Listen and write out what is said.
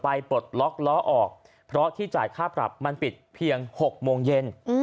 ปลดล็อกล้อออกเพราะที่จ่ายค่าปรับมันปิดเพียง๖โมงเย็น